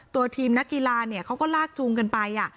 ตัวทีมนักกีฬาเขาก็ลากจูงกันไป